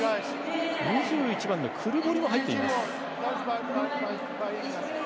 ２１番のクルボリが入っています。